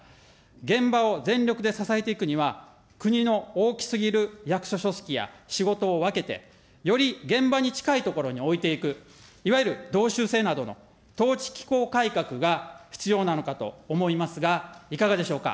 現場を全力で支えていくには、国の大きすぎる役所組織や仕事を分けて、より現場に近いところに置いていく、いわゆる道州制などの統治機構改革が必要なのかと思いますが、いかがでしょうか。